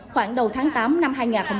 khoảng đầu tháng tám năm hai nghìn hai mươi